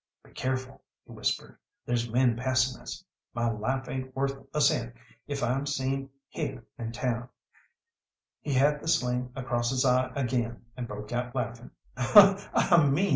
"Be careful!" he whispered, "there's men passing us! My life ain't worth a cent if I'm seen heah in town." He had the sling across his eye again and broke out laughing.